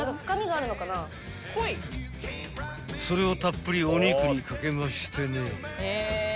［それをたっぷりお肉にかけましてね］